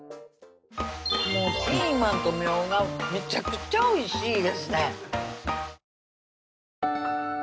もうピーマンとみょうがめちゃくちゃ美味しいですね